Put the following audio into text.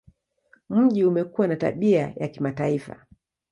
Mji umekuwa na tabia ya kimataifa.